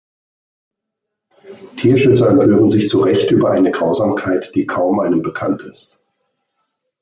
Tierschützer empören sich zu Recht über eine Grausamkeit, die kaum einem bekannt ist.